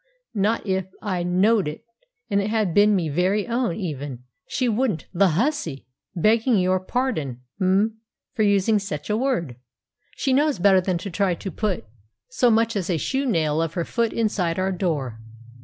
Not if I know'd it, and it had been me very own even, she wouldn't; the hussy—begging your pardon, m'm, for using sech a word. She knows better than to try to put so much as a shoenail of her foot inside our door.